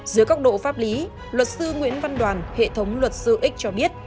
dưới góc độ pháp lý luật sư nguyễn văn đoàn hệ thống luật sư ích cho biết